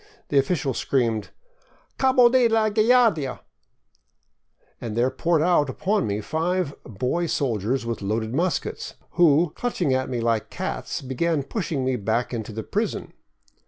The official screamed, " Cabo de la Guardia !", and there poured out upon me five boy soldiers with loaded muskets, who, clutching at me like cats, began pushing me back into the prison.